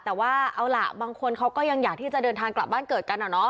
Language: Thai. แต่ว่าเอาล่ะบางคนเขาก็ยังอยากที่จะเดินทางกลับบ้านเกิดกันอะเนาะ